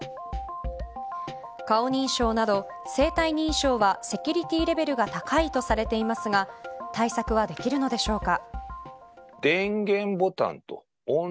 顔認証など生体認証はセキュリティーレベルが高いとされていますが対策はできるのでしょうか。